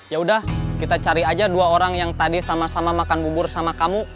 ya udah kita cari aja dua orang yang tadi sama sama makan bubur sama kamu